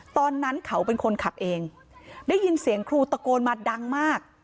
ตอนนั้นเขาเป็นคนขับเองได้ยินเสียงครูตะโกนมาดังมาก